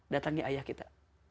datangnya ayah kita